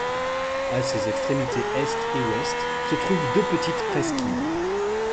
À ses extrémités est et ouest se trouvent deux petites presqu'îles.